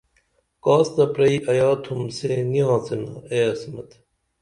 کاس تہ پرئی ایا تُھم سے نی آڅِنا اے عصمت